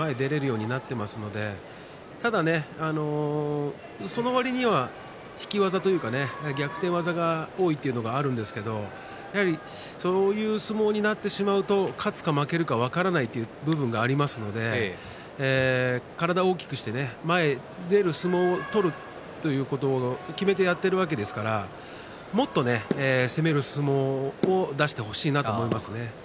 体を大きくして前に出られるようになっていますのでただ、そのわりには引き技というか逆転技が多いというのがあるんですけどそういう相撲になってしまうと勝つか負けるか分からない部分がありますので体を大きくして前に出る相撲を取るということを決めてやっているわけですからもっと攻める相撲を出してほしいなと思いますね。